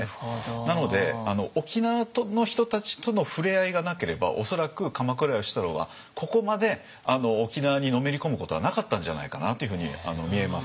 なので沖縄の人たちとのふれあいがなければ恐らく鎌倉芳太郎はここまで沖縄にのめり込むことはなかったんじゃないかなというふうに見えます。